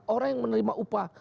orang yang menerima upah